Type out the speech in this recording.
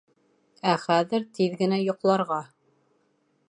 Ә хәҙер тиҙ генә йоҡларға